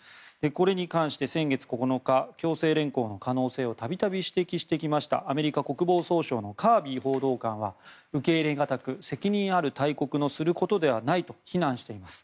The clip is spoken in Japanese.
これに関して、先月９日強制連行の可能性を度々指摘してきましたアメリカ国防総省のカービー報道官は受け入れがたく責任ある大国のすることではないと非難しています。